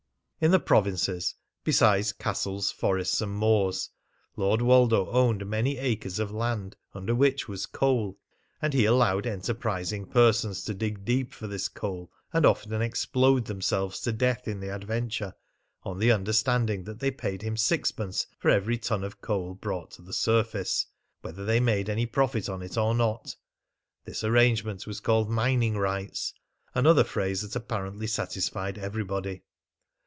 In the provinces, besides castles, forests, and moors, Lord Woldo owned many acres of land under which was coal, and he allowed enterprising persons to dig deep for this coal, and often explode themselves to death in the adventure, on the understanding that they paid him sixpence for every ton of coal brought to the surface, whether they made any profit on it or not. This arrangement was called "mining rights" another phrase that apparently satisfied everybody.